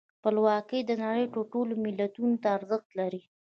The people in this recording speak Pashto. خپلواکي د نړۍ ټولو ملتونو ته ارزښت لري.